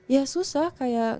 ya susah kayak